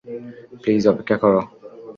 Please অপেক্ষা করো।